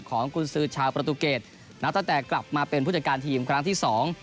กุญสือชาวประตูเกตนับตั้งแต่กลับมาเป็นผู้จัดการทีมครั้งที่สอง